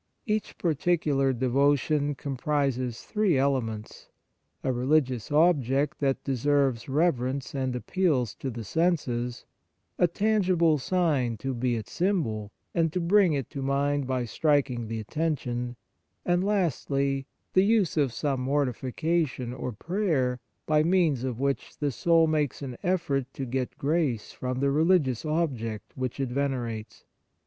Each particular devotion com prises three elements : a religious object that deserves reverence and appeals to the senses ; a tangible sign to be its symbol, and to bring it to mind by striking the attention ; and, lastly, the use of some mortification or prayer, by means of which the soul makes an 52 Devotions effort to get grace from the religious object which it venerates.